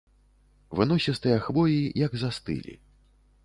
Выносістыя хвоі як застылі.